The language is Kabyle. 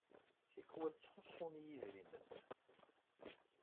Tikwal ttxuṣṣun-iyi idrimen.